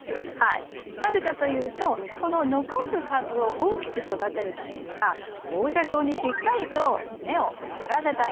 なぜかというとこの残す株を大きく育てるためには放射状にしっかりと根を張らせたいんです。